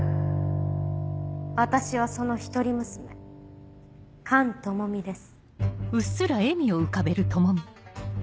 私はその一人娘菅朋美です。